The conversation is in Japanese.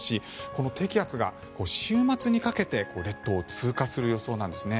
この低気圧が週末にかけて列島を通過する予想なんですね。